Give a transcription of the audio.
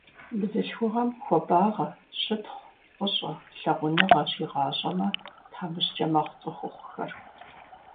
Бзылъхугъэм хуабагъэ, щытхъу, фӀыщӀэ, лъагъуныгъэ щигъащӀэмэ, тхьэмыщкӀэ мэхъу цӏыхухъухэр.